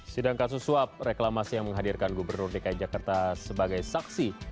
sedangkan susuap reklamasi yang menghadirkan gubernur dki jakarta sebagai saksi